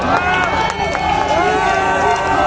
สวัสดีครับทุกคน